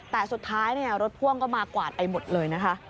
แต่สุดท้ายรถพ่วงก็มากวาดไปหมดเลยนะคะ